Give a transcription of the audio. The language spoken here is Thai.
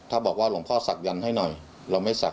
ถ้าบอกว่าหลวงพ่อศักดันให้หน่อยเราไม่ศักดิ